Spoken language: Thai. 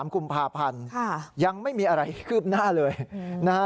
๓กุมภาพันธ์ยังไม่มีอะไรคืบหน้าเลยนะฮะ